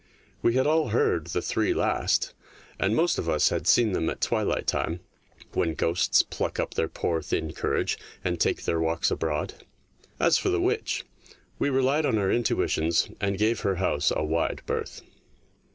We had all heard the three last, and most of us had seen them at twilight time, when ghosts pluck up their poor thin courage and take their walks abroad. As for the witch, we relied on our intuitions and gave her house a wide berth.